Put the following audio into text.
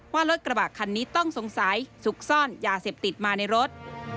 ว่ารถกระบะคันนี้ต้องสงสัยซุกซ่อนยาเสพติดมาในรถ